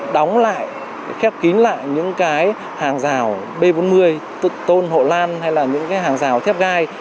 đóng lại khép kín lại những cái hàng rào b bốn mươi tôn hộ lan hay là những cái hàng rào thép gai